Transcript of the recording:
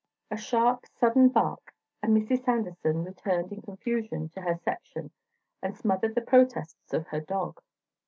A sharp, sudden bark and Mrs. Sanderson returned in confusion to her section and smothered the protests of her dog.